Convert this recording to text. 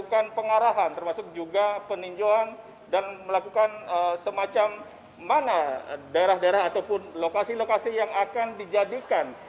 melakukan pengarahan termasuk juga peninjauan dan melakukan semacam mana daerah daerah ataupun lokasi lokasi yang akan dijadikan